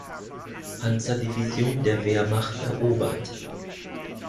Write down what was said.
Panzer-Division der Wehrmacht erobert.